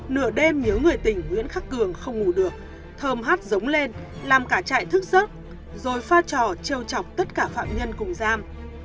nửa đêm nhớ người tình nguyễn khắc cường không ngủ được thơm hát giống lên làm cả chạy thức giớt rồi pha trò trêu chọc tất cả phạm nhân cùng giam